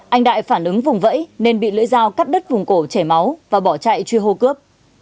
anh đại phản ứng vùng vẫy nên bị lưỡi dao cắt đứt vùng cổ chảy máu và bỏ chạy truy hô cướp